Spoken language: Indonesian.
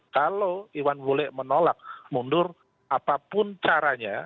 kalau iwan bule menolak mundur apapun caranya